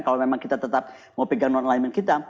kalau memang kita tetap mau pegang non alignment kita